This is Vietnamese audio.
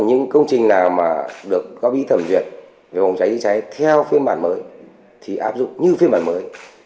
những công trình nào mà được góp ý thẩm duyệt về phòng cháy cháy theo phiên bản mới thì áp dụng như phiên bản mới